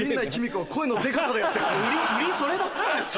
売りそれだったんですか。